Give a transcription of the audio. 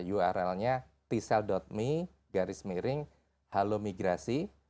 url nya tsel me garis miring halomigrasi